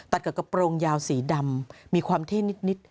กับกระโปรงยาวสีดำมีความเท่นิด